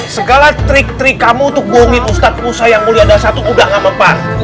segala trik trik kamu untuk bohongin ustaz saya yang mulia adalah satu udah gak mempan